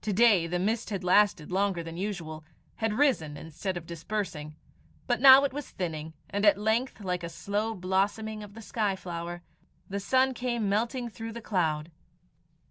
To day the mist had lasted longer than usual had risen instead of dispersing; but now it was thinning, and at length, like a slow blossoming of the sky flower, the sun came melting through the cloud.